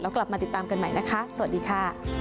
กลับมาติดตามกันใหม่นะคะสวัสดีค่ะ